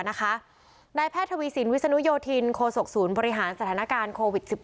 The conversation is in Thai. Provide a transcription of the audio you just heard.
นายแพทย์ทวีสินวิศนุโยธินโคศกศูนย์บริหารสถานการณ์โควิด๑๙